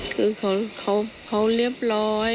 คือเขาเรียบร้อย